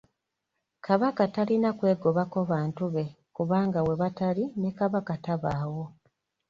Kabaka talina kwegobako bantu be kubanga webatali ne Kabaka tabaawo.